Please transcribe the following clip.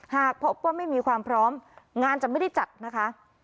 หากพบว่าไม่มีความพร้อมงานจะไม่ได้จัดนะคะ